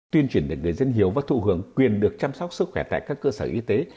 tuyên truyền để người dân hiểu và thụ hưởng quyền được chăm sóc sức khỏe tại các cơ sở y tế